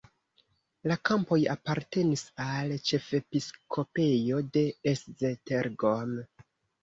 La kampoj apartenis al ĉefepiskopejo de Esztergom.